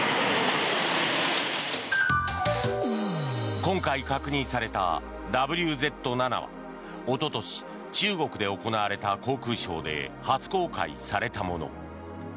今回確認されたＷＺ７はおととし中国で行われた航空ショーで初公開されたもの。